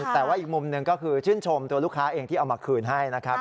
แต่ว่าอีกมุมหนึ่งก็คือชื่นชมตัวลูกค้าเองที่เอามาคืนให้นะครับ